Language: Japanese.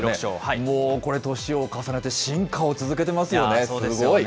もうこれ、年を重ねて、進化を続けてますよね。